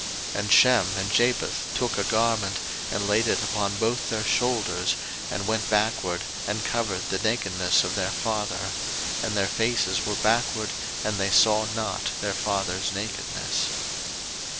01:009:023 And Shem and Japheth took a garment, and laid it upon both their shoulders, and went backward, and covered the nakedness of their father; and their faces were backward, and they saw not their father's nakedness.